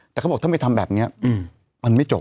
แต่เขาบอกถ้าไม่ทำแบบนี้มันไม่จบ